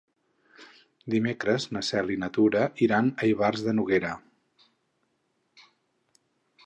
Dimecres na Cel i na Tura iran a Ivars de Noguera.